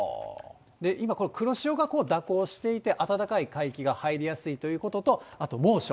今、これ、黒潮が蛇行していて、暖かい海域が入りやすいということと、あと猛暑。